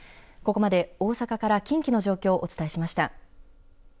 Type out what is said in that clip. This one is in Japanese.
ここまで大阪から近畿の状況をお伝えしました。